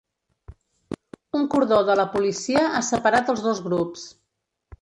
Un cordó de la policia ha separat els dos grups.